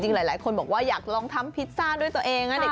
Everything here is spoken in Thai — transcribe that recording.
หลายคนบอกว่าอยากลองทำพิซซ่าด้วยตัวเองนะเด็ก